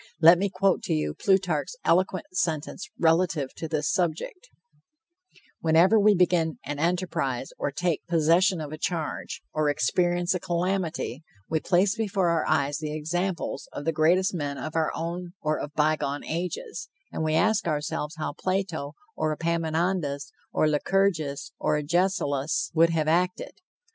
Let me quote to you Plutarch's eloquent sentence relative to this subject: "Whenever we begin an enterprise or take possession of a charge, or experience a calamity, we place before our eyes the examples of the greatest men of our own or of bygone ages, and we ask ourselves how Plato, or Epaminondas, or Lycurgus, or Agesilaus, would have acted.